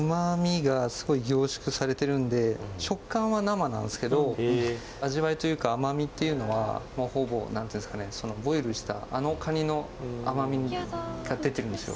ので食感は生なんですけど味わいというか甘味っていうのはほぼ何ていうんですかねボイルしたあのカニの甘味が出てるんですよ